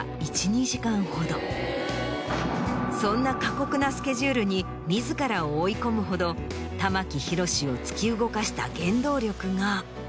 そんな過酷なスケジュールに自らを追い込むほど玉木宏を突き動かした原動力が。